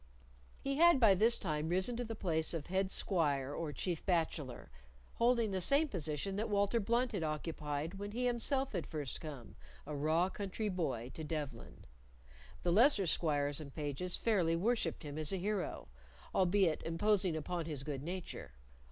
He had by this time risen to the place of head squire or chief bachelor, holding the same position that Walter Blunt had occupied when he himself had first come, a raw country boy, to Devlen. The lesser squires and pages fairly worshipped him as a hero, albeit imposing upon his good nature.